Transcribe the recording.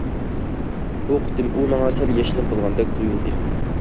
بۇ قېتىم ئۇ ماڭا سەل ياشىنىپ قالغاندەك تۇيۇلدى.